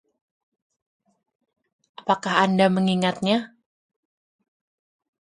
Apakah anda mengingatnya?